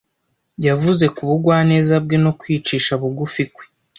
Yavuze ku bugwaneza bwe no kwicisha bugufi kwe.